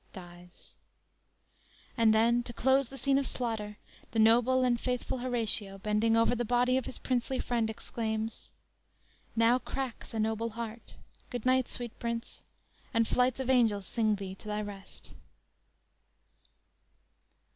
"_ (Dies.) And then to close the scene of slaughter, the noble and faithful Horatio, bending over the body of his princely friend, exclaims: _"Now cracks a noble heart; Good night, sweet prince, And flights of angels sing thee to thy rest!"